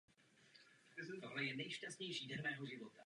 Následovalo krátké angažmá ve Státním divadle v Moravské Ostravě.